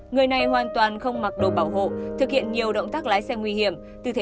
người này hoàn toàn không mặc đồ bảo hộ thực hiện nhiều động tác lái xe nguy hiểm